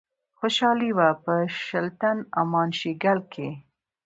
خوشحالي وه په شُلتن، امان شیګل کښي